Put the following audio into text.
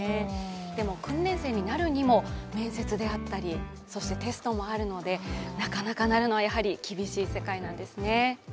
でも、訓練生になるにも面接であったりテストもあるのでなかなかなるのは厳しい世界なんですね。